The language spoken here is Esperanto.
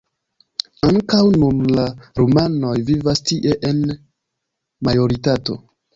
Ankaŭ nun la rumanoj vivas tie en majoritato.